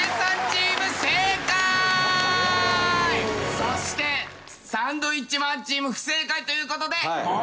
そしてサンドウィッチマンチーム不正解という事でお仕置きだ！